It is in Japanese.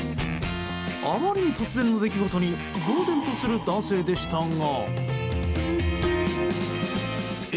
あまりに突然の出来事にぼうぜんとする男性でしたが。